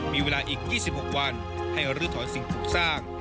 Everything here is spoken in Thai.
มีเวลาอีก๒๖วันให้รื้อถอนสิ่งปลูกสร้าง